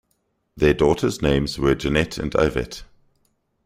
Their daughters names were Jannette and Ivette.